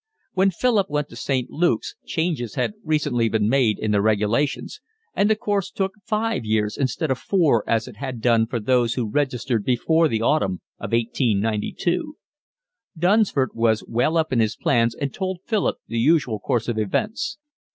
When Philip went to St. Luke's changes had recently been made in the regulations, and the course took five years instead of four as it had done for those who registered before the autumn of 1892. Dunsford was well up in his plans and told Philip the usual course of events.